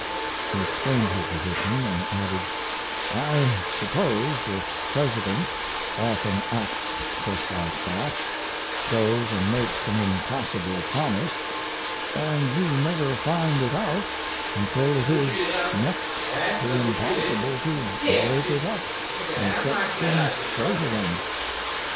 He explained his position, and added: I suppose the President often acts just like that; goes and makes an impossible promise, and you never find it out until it is next to impossible to break it up and set things straight again.